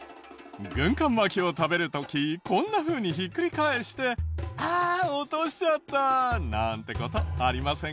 軍艦巻きを食べる時こんなふうにひっくり返してあっ落としちゃった！なんて事ありませんか？